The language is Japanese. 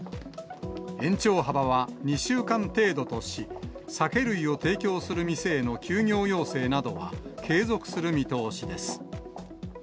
延長幅は２週間程度とし、酒類を提供する店への休業要請などは継続する見通しです。